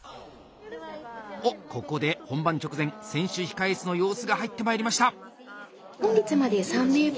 おここで本番直前選手控え室の様子が入ってまいりました。